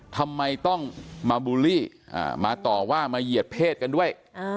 ทำไมต้องมาบูลลี่มาต่อว่ามาเหยียดเพศกันด้วย